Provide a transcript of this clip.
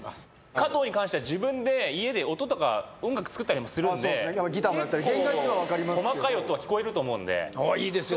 加藤に関しては自分で家で音とか音楽作ったりもするんでそうですねギターもやったり細かい音は聞こえると思うんでいいですよ